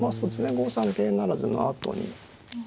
５三桂不成のあとにうん。